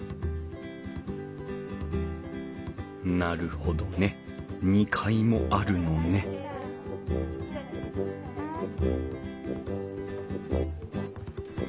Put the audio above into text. なるほどね２階もあるのねお。